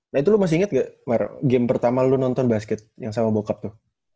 nah itu lu masih inget gak mar game pertama lu nonton basket yang sama bokap lu